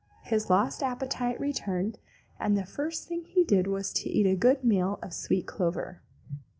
His lost appetite returned, and the first thing he did was to eat a good meal of sweet clover.